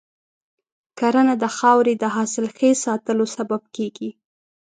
کرنه د خاورې د حاصلخیز ساتلو سبب کېږي.